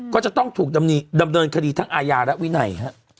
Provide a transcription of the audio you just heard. ก็จะต้องถูกดำเนินคดีทั้งอาญาและวินัย